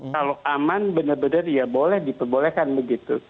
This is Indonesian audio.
kalau aman benar benar ya boleh diperbolehkan begitu